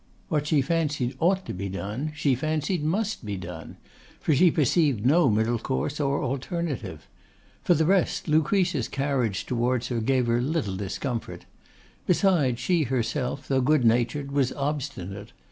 What she fancied ought to be done, she fancied must be done; for she perceived no middle course or alternative. For the rest, Lucretia's carriage towards her gave her little discomfort. Besides, she herself, though good natured, was obstinate.